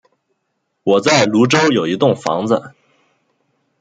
我在芦洲有一栋房子